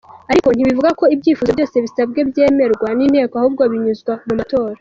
Ariko ntibivuga ko ibyifuzo byose bisabwe byemerwa n’inteko, ahubwo binyuzwa mu matora.